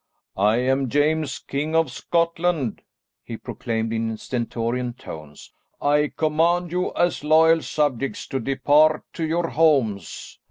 "I am James, King of Scotland," he proclaimed in stentorian tones. "I command you as loyal subjects to depart to your homes.